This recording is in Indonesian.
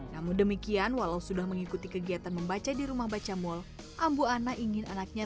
namun demikian walau sudah mengikuti kegiatan membaca di rumah baca mal ambu ana ingin anaknya